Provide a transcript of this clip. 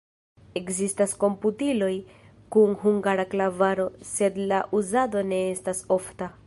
Ekzistas komputiloj kun hungara klavaro, sed la uzado ne estas ofta.